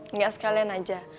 enggak sekalian aja